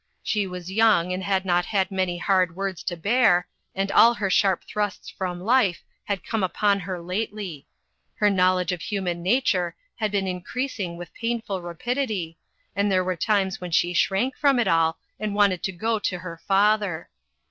She was young and had not had many hard words to bear, and all her sharp thrusts from life had come upon her lately ; her knowledge of human nature had been increasing with painful rapidity, and there were times when she shrank from it all, and wanted to go to her father.